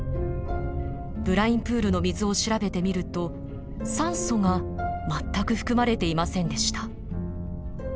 ブラインプールの水を調べてみると酸素が全く含まれていませんでした。